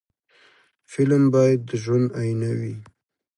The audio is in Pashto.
فلم باید د ژوند آیینه وي